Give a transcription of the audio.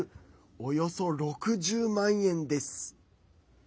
およそ６０万円です。